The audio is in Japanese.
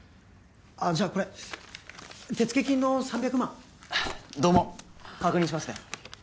ああじゃあこれ手付金の３００万どうも確認しますね